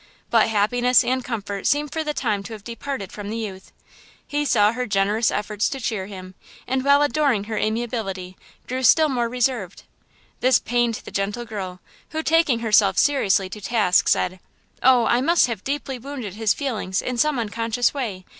But happiness and comfort seemed for the time to have departed from the youth He saw her generous endeavors to cheer him, and while adoring her amiability, grew still more reserved. This pained the gentle girl, who, taking herself seriously to task, said: "Oh, I must have deeply wounded his feelings in some unconscious way!